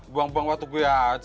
buang buang waktu gue